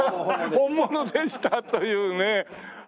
本物でしたというね。